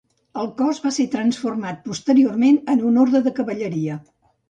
El cos va ser transformat posteriorment en un orde de cavalleria.